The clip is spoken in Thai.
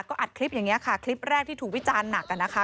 ก็อัดคลิปอย่างนี้ค่ะคลิปแรกที่ถูกวิจารณ์หนักนะคะ